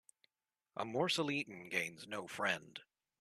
A morsel eaten gains no friend